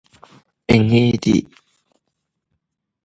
One is the need for gossip.